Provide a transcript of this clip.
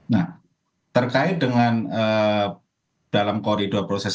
nah terkait dengan dalam koridor proses